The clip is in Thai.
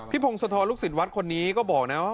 พงศธรลูกศิษย์วัดคนนี้ก็บอกนะว่า